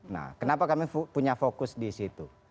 nah kenapa kami punya fokus di situ